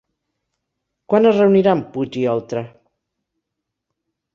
Quan es reuniran Puig i Oltra?